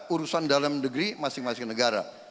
urusan dalam negeri masing masing negara